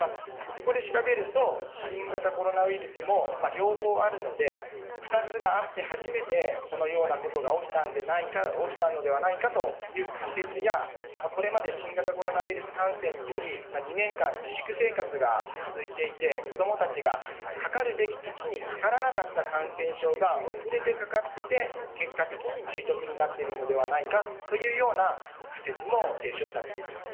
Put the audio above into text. そこで調べると新型コロナウイルスも両方あるので２つがあって、初めてこのようなことが起きたのではないかという仮説や、これまで新型コロナウイルス感染により２年間、自粛生活が続いていて子供たちがかかるべき時にかからなかった感染症が遅れてかかってて、結果的に重篤になっているのではないかというような仮説も提唱されています。